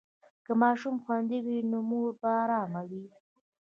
که ماشوم خوندي وي، نو مور به ارامه وي.